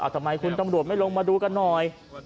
ทำไมคุณตำรวจไม่ลงมาดูกันหน่อย